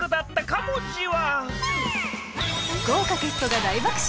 豪華ゲストが大爆笑！